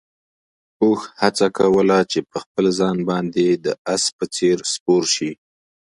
اوښ هڅه کوله چې په خپل ځان باندې د اس په څېر سپور شي.